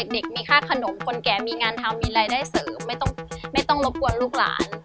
เด็กมีค่าขนมคนแก่มีงานทำมีรายได้เสริมไม่ต้องรบกวนลูกหลาน